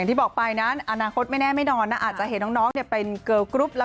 ขอฝากเนื้อฝากตัวไว้ด้วยนะคะ